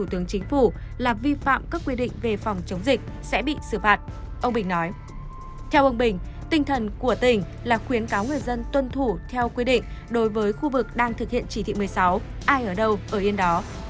theo ông bình tinh thần của tỉnh là khuyến cáo người dân tuân thủ theo quy định đối với khu vực đang thực hiện chỉ thị một mươi sáu ai ở đâu ở yên đó